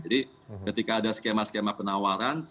jadi ketika ada skema skema penawaran